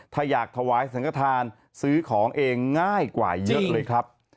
ถ้าอยากถวายสังกฐานซื้อของเองง่ายกว่าเยอะเลยครับ